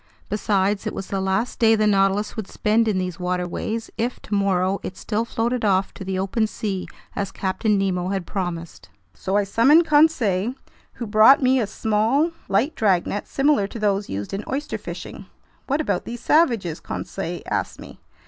Besides, it was the last day the Nautilus would spend in these waterways, if, tomorrow, it still floated off to the open sea as Captain Nemo had promised. So I summoned Conseil, who brought me a small, light dragnet similar to those used in oyster fishing. "What about these savages?" Conseil asked me.